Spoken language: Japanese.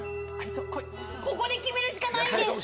ここで決めるしかないんです。